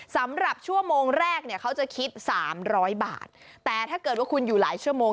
สำหรับชั่วโมงแรกเนี่ยเขาจะคิดสามร้อยบาทแต่ถ้าเกิดว่าคุณอยู่หลายชั่วโมง